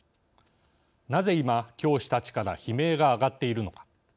なぜ今、教師たちから悲鳴が上がっているのか。